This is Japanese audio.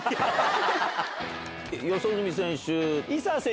四十住選手。